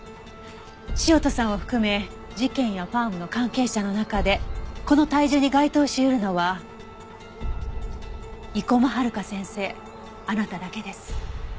潮田さんを含め事件やファームの関係者の中でこの体重に該当し得るのは生駒遥夏先生あなただけです。